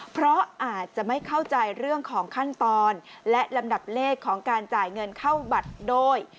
เพราะอาจจะไม่เข้าใจเรื่องของขั้นตอนและลำดับเลขของการจ่ายเงินเข้าบัตรโดย